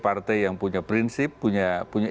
partai yang punya prinsip punya